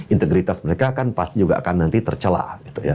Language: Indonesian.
integritas mereka kan pasti juga akan nanti tercelah